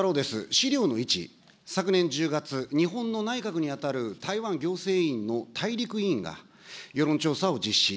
資料の１、昨年１０月、日本の内閣に当たる台湾行政院の大陸委員が世論調査を実施。